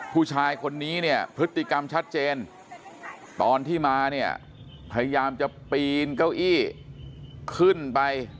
ผู้ชายคนนี้เนี่ยพฤติกรรมชัดเจนตอนที่มาเนี่ยพยายามจะปีนเก้าอี้ขึ้นไป